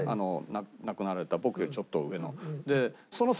亡くなられた僕よりちょっと上の。